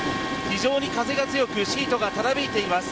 非常に風が強くシートがたなびいています。